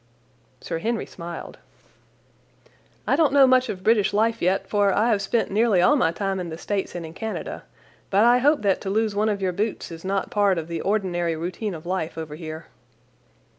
Sir Henry smiled. "I don't know much of British life yet, for I have spent nearly all my time in the States and in Canada. But I hope that to lose one of your boots is not part of the ordinary routine of life over here."